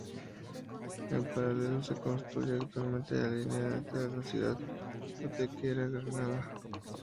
En paralelo se construye actualmente la línea de alta velocidad Antequera-Granada.